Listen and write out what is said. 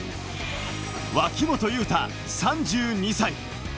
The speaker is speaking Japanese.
脇本雄太、３２歳。